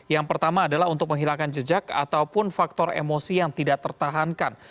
yang pertama adalah untuk menghilangkan jejak ataupun faktor emosi yang tidak tertahankan